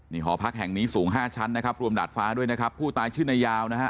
นี่หอพักแห่งนี้สูงห้าชั้นนะครับรวมดาดฟ้าด้วยนะครับผู้ตายชื่อนายยาวนะฮะ